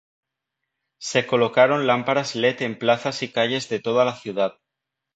Se colocaron lámparas led en plazas y calles de toda la ciudad.